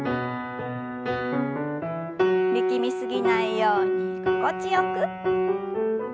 力み過ぎないように心地よく。